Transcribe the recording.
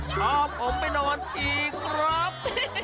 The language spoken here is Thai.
กลับผมไปนอนอีกครับ